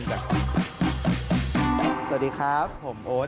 สวัสดีครับผมโอ๊ต